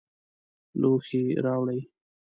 لوښي راوړئ